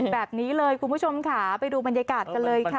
แบบนี้เลยคุณผู้ชมค่ะไปดูบรรยากาศกันเลยค่ะ